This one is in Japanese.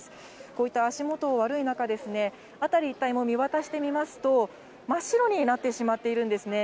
こういった足元悪い中、辺り一帯見渡してみますと、真っ白になってしまっているんですね。